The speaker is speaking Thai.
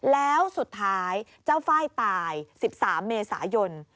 แล้วสุดท้ายเจ้าไฟล์ตาย๑๓เมษายน